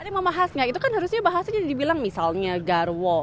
ada yang mau bahas gak itu kan harusnya bahasnya jadi dibilang misalnya garwo